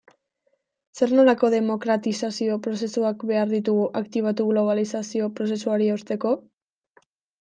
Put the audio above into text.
Zer nolako demokratizazio prozesuak behar ditugu aktibatu globalizazio prozesuari eusteko?